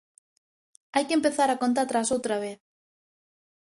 Hai que empezar a conta atrás outra vez.